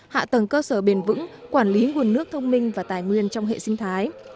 hạ tầng cơ sở bền vững quản lý nguồn nước thông minh và tài nguyên trong hệ sinh thái